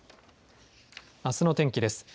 あすの天気です。